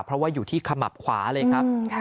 เพราะว่าอยู่ที่ขมับขวาเลยครับ